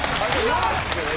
よし！